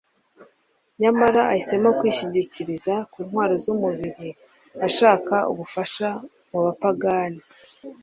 nyamara ahisemo kwishingikiriza ku ntwaro z'umubiri, ashaka ubufasha mu bapagani